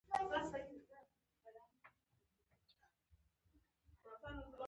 په ډیجیټل بانکوالۍ کې د حساب امنیت خورا لوړ وي.